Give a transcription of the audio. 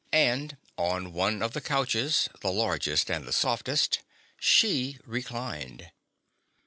And on one of the couches, the largest and the softest, she reclined.